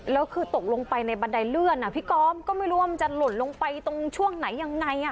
แล้วคือตกลงไปในบันไดเลื่อนพี่ก๊อฟก็ไม่รู้ว่ามันจะหล่นลงไปตรงช่วงไหนยังไง